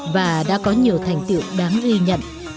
và đã có nhiều thành tiệu đáng ghi nhận